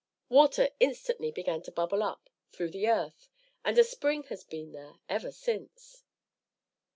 Water instantly began to bubble up through the earth, and a spring has been there ever since.